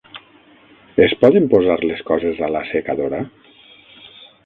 Es poden posar les coses a l'assecadora?